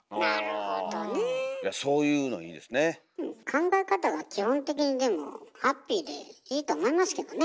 考え方が基本的にでもハッピーでいいと思いますけどね。